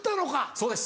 そうです。